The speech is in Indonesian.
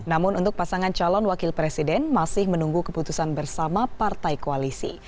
namun untuk pasangan calon wakil presiden masih menunggu keputusan bersama partai koalisi